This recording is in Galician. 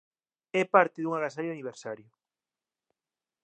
É parte dun agasallo de aniversario